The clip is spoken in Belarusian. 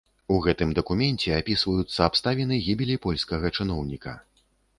У гэтым дакуменце апісваюцца абставіны гібелі польскага чыноўніка.